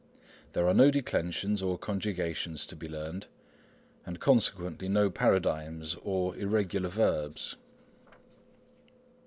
There are no Declensions or Conjugations to be learned, and consequently no Paradigms or Irregular Verbs.